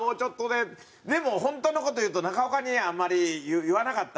でも本当の事言うと中岡にはあんまり言わなかったんだけど。